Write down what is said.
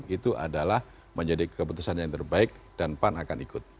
itu adalah menjadi keputusan yang terbaik dan pan akan ikut